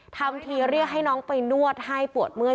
ทำทีเรียกให้น้องไปนวดให้ปวดเมื่อย